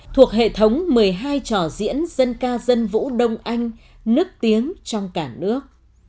thuộc hệ thống một mươi hai trò diễn dân ca dân vũ đông anh nức tiếng trong cả nước